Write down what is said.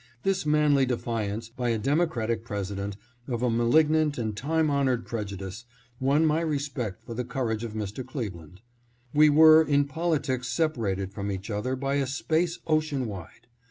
This manly defiance, by a Democratic President, of a 648 RESPECT FOR MR. CLEVELAND. malignant and time honored prejudice, won my respect for the courage of Mr. Cleveland. We were in politics separated from each other by a space ocean wide.